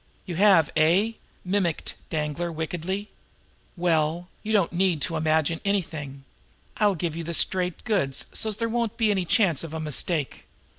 "You have, eh?" mimicked Danglar wickedly. "Well, you don't need to imagine anything! I'll give you the straight goods so's there won't be any chance of a mistake.